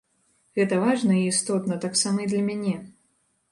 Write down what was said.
Гэта важна і істотна таксама і для мяне.